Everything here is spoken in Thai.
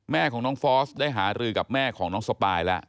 แม่ของน้องฟอสได้หารือกับแม่ของน้องสปายแล้ว